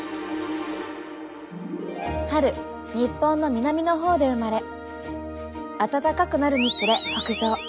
春日本の南の方で生まれ暖かくなるにつれ北上。